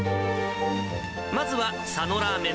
まずは佐野ラーメン